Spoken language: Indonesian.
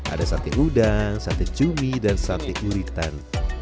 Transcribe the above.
ada sate udang sate cumi dan sate uritan